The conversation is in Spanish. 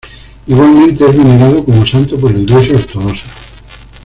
Igualmente es venerado como santo por la Iglesia ortodoxa.